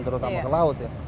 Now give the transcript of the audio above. terutama ke laut ya